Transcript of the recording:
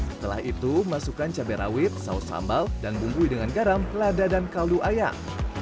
setelah itu masukkan cabai rawit saus sambal dan bumbui dengan garam lada dan kaldu ayam